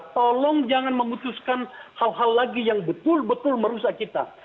tolong jangan memutuskan hal hal lagi yang betul betul merusak kita